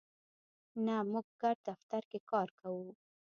نه، موږ ګډ دفتر کی کار کوو